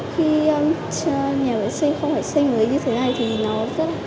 khi nhà vệ sinh không phải xây mới như thế này thì nó rất là